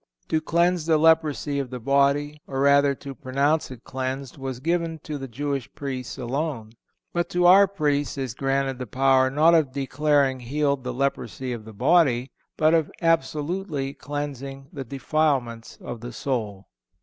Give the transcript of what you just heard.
"To cleanse the leprosy of the body, or rather to pronounce it cleansed, was given to the Jewish Priests alone. But to our Priests is granted the power not of declaring healed the leprosy of the body, but of absolutely cleansing the defilements of the soul."